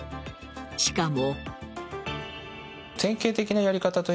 しかも。